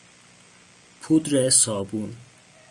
پودر صابون